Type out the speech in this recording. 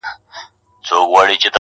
زاړه خبري بيا راژوندي کيږي,